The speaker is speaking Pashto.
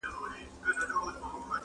شور به سي پورته له ګل غونډیو -